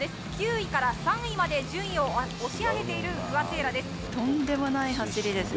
９位から３位まで順位を押し上げている不破聖衣来です。